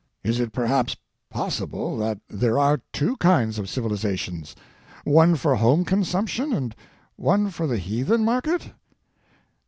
Is it, perhaps, possible that there are two kinds of Civilization — one for home consumption and one for the heathen market?"